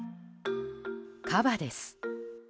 カバです。